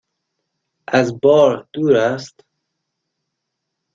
از بار دور است؟